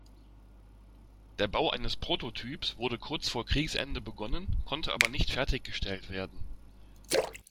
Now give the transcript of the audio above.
Der Bau eines Prototyps wurde kurz vor Kriegsende begonnen, konnte aber nicht fertiggestellt werden.